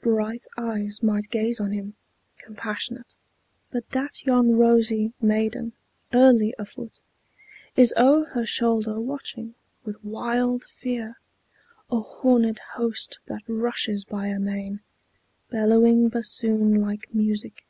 Bright eyes might gaze on him, compassionate, But that yon rosy maiden, early afoot, Is o'er her shoulder watching, with wild fear, A horned host that rushes by amain, Bellowing bassoon like music.